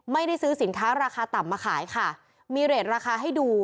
ไม่ได้ซื้อสินค้าราคาต่ำมาขายค่ะมีเรทราคาให้ดู